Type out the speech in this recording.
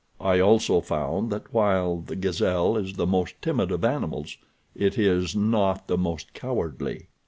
I also found that while the gazelle is the most timid of animals, it is not the most cowardly."